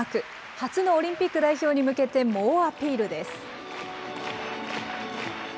初のオリンピック代表に向けて猛アピールです。